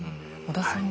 織田さん